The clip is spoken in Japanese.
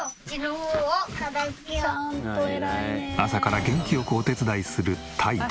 朝から元気よくお手伝いするたいち。